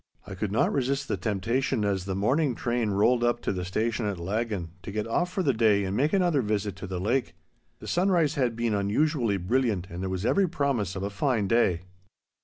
I could not resist the temptation as the morning train rolled up to the station at Laggan to get off for the day and make another visit to the lake. The sunrise had been unusually brilliant and there was every promise of a fine day.